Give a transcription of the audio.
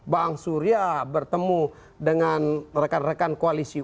bang surya bertemu dengan rekan rekan koalisi